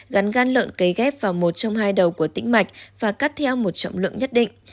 gắn gan lợn cấy ghép vào một trong hai đầu của tĩnh mạch và cắt theo một trọng lượng nhất định